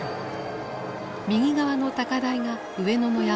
右側の高台が上野の山である。